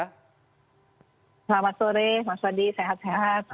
selamat sore mas wadi sehat sehat